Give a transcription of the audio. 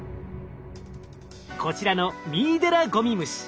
こちらのミイデラゴミムシ。